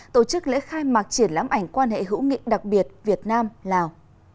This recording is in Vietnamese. tổ chức lễ khai mạc triển lãm ảnh quan hệ hữu nghị đặc biệt việt nam lào